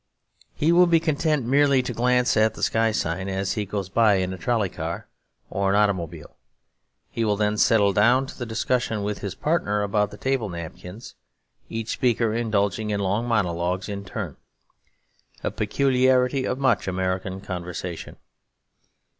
He will be content merely to glance at the sky sign as he goes by in a trolley car or an automobile; he will then settle down to the discussion with his partner about the table napkins, each speaker indulging in long monologues in turn; a peculiarity of much American conversation.